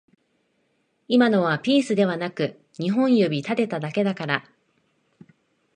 今のはピースではなく二本指立てただけだから